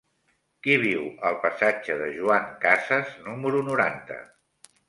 Qui viu al passatge de Joan Casas número noranta?